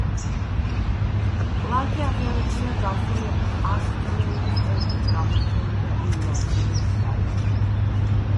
კლარკი აღიარებულია „გასული ათწლეულის ერთ-ერთ გამორჩეულ და ინოვაციურ გიტარისტად“.